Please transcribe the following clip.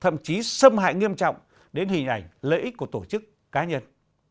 thậm chí xâm hại nghiêm trọng đến hình ảnh lợi ích của tổ chức cá nhân